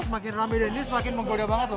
makin rame dan ini semakin menggoda banget loh